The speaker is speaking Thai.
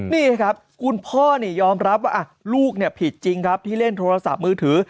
นี่ครับคุณพ่อนี่ยอมรับว่าลูกผิดจริงครับที่เล่นโทรศัพท์มือถือ